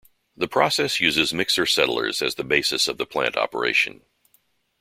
The process uses mixer settlers as the basis of the plant operation.